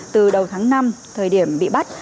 từ đầu tháng năm thời điểm bị bắt